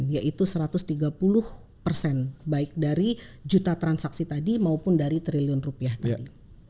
yaitu satu ratus tiga puluh persen baik dari juta transaksi tadi maupun dari triliun rupiah tadi